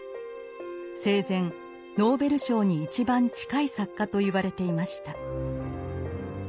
生前ノーベル賞に一番近い作家といわれていました。